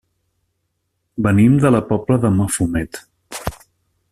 Venim de la Pobla de Mafumet.